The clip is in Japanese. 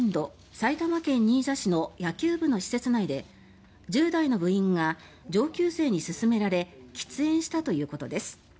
埼玉県新座市の野球部の施設内で１０代の部員が上級生に勧められ喫煙したということです。